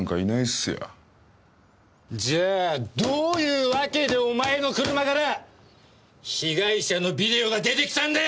じゃあどういうわけでお前の車から被害者のビデオが出てきたんだよ！